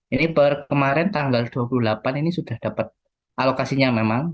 ini per kemarin tanggal dua puluh delapan ini sudah dapat alokasinya memang